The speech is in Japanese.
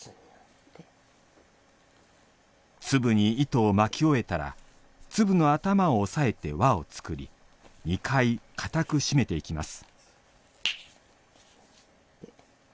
粒に糸を巻き終えたら粒の頭を押さえて輪をつくり２回かたく絞めていきます。